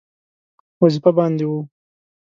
وظیفه باندې وو.